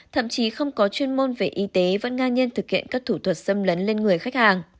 thậm chí không có chuyên môn về y tế vẫn ngang nhiên thực hiện các thủ thuật xâm lấn lên người khách hàng